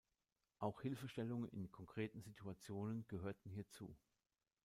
Auch Hilfestellungen in konkreten Situationen gehörten hierzu.